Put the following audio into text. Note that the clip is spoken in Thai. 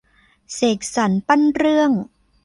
เสกสรรปั้นเรื่อง